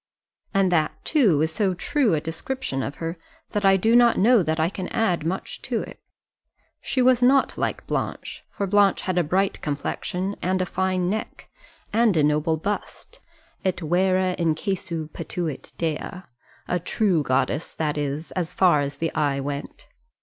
And that, too, is so true a description of her, that I do not know that I can add much to it. She was not like Blanche; for Blanche had a bright complexion, and a fine neck, and a noble bust, et vera incessu patuit Dea a true goddess, that is, as far as the eye went.